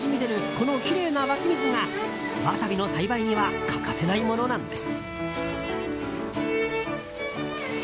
このきれいな湧き水がワサビの栽培には欠かせないものなんです。